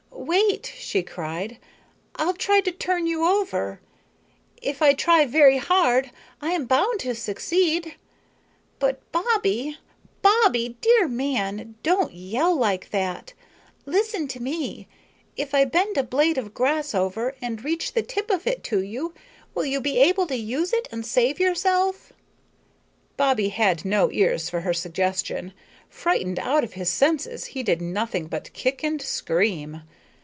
"Wait," she cried, "I'll try to turn you over. If I try very hard I am bound to succeed. But Bobbie, Bobbie, dear man, don't yell like that. Listen to me. If I bend a blade of grass over and reach the tip of it to you, will you be able to use it and save yourself?" Bobbie had no ears for her suggestion. Frightened out of his senses, he did nothing but kick and scream.